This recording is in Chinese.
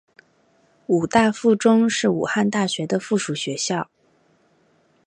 武大附中是武汉大学的附属学校。